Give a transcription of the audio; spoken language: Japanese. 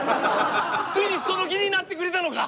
ついにその気になってくれたのか？